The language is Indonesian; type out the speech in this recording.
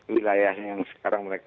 wilayah yang sekarang mereka